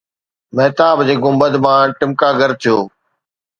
مهتاب جي گنبد مان ٽڪما گر ٿيو آهي؟